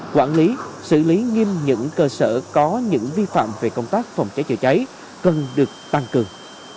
quản lý xử lý nghiêm những cơ sở có những vi phạm về công tác phòng cháy chữa cháy cần được tăng cường